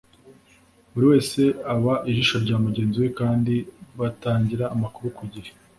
buri wese aba ijisho rya mugenzi we kandi batangira amakuru ku gihe